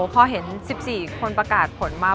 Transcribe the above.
พอเห็น๑๔คนประกาศผลมา